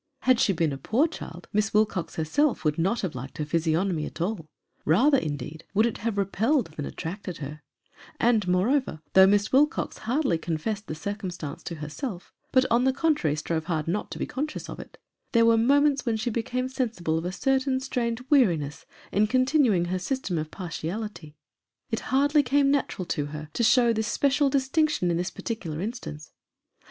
Had she been a poor child, Miss Wilcox herself would not have liked her physiognomy at all : rather, indeed, would it have re pelled than attracted her ; and, moreover though Miss Wil cox hardly confessed the circumstance to herself, but, on the contrary, strove hard not to be conscious of it there were moments when she became sensible of a certain strange weari ness in continuing her system of partiality. It hardly came natural to her to show this special distinction in this particular instance.